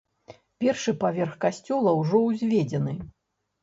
Першы паверх касцёла ўжо ўзведзены.